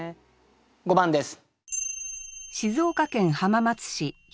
５番です。